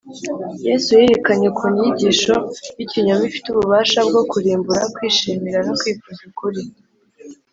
yesu yerekanye ukuntu inyigisho y’ikinyoma ifite ububasha bwo kurimbura kwishimira no kwifuza ukuri